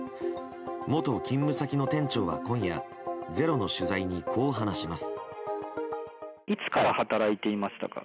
元勤務先の店長は今夜、「ｚｅｒｏ」の取材にこう話します。